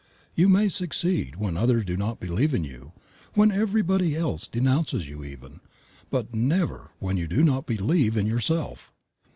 You may succeed when others do not believe in you, when everybody else denounces you even, but never when you do not believe in yourself.